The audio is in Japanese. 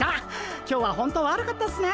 今日はほんと悪かったっすね。